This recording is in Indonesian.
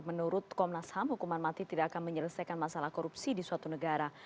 menurut komnas ham hukuman mati tidak akan menyelesaikan masalah korupsi di suatu negara